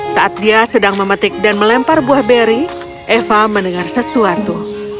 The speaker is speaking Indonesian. saat dia sedang memetik dan melempar buah beri eva mendengar sesuatu